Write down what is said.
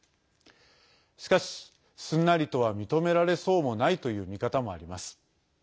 しかしすんなりとは認められそうもないという見方もあります。